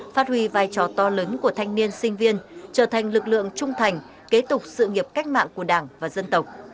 phát huy vai trò to lớn của thanh niên sinh viên trở thành lực lượng trung thành kế tục sự nghiệp cách mạng của đảng và dân tộc